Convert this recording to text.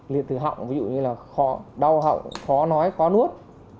liệt từ họng ví dụ như là khó đau họng khó nói khó nuốt